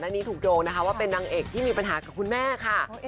อันนี้ถูกโยงนะคะว่าเป็นนางเอกที่มีปัญหากับคุณแม่ค่ะ